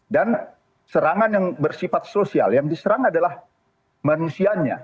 dan serangan yang bersifat sosial yang diserang adalah manusianya